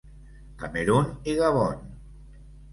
Camerun i Gabon.